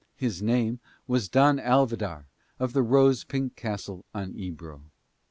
His name was Don Alvidar of the Rose pink Castle on Ebro.